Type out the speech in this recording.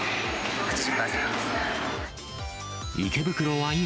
池袋は今、